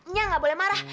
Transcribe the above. nya gak boleh marah